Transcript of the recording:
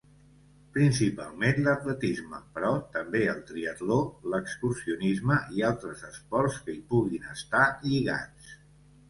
Principalment l'atletisme, però també el triatló, l'excursionisme i altres esports que hi puguin estar lligats.